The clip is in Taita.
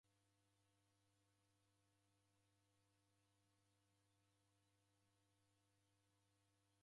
Ikanisa jafunya mpango ghwa ibada ya mariko gha marehemu.